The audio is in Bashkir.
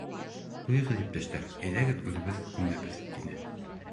— Ҡуйығыҙ, иптәштәр, әйҙәгеҙ, үҙебеҙ күмәбеҙ! — тине.